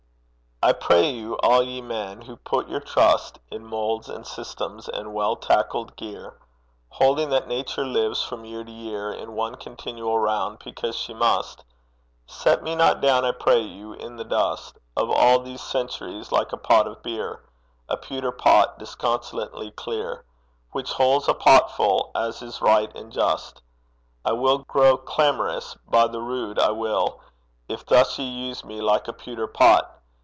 I pray you, all ye men, who put your trust In moulds and systems and well tackled gear, Holding that Nature lives from year to year In one continual round because she must Set me not down, I pray you, in the dust Of all these centuries, like a pot of beer, A pewter pot disconsolately clear, Which holds a potful, as is right and just. I will grow clamorous by the rood, I will, If thus ye use me like a pewter pot.